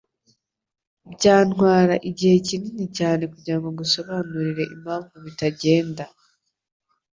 Byantwara igihe kinini cyane kugirango ngusobanurire impamvu bitagenda.